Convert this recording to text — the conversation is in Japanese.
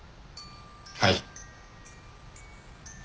はい。